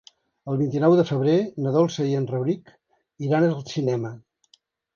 El vint-i-nou de febrer na Dolça i en Rauric iran al cinema.